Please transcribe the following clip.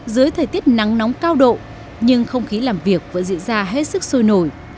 dưới thời tiết nắng nóng cao độ nhưng không khí làm việc vẫn diễn ra hết sức sôi nổi